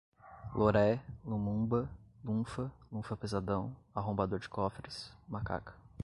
loré, lumumba, lunfa, lunfa pesadão, arrombador de cofres, macaca